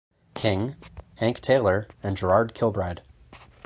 King, Hank Taylor and Gerard Kilbride.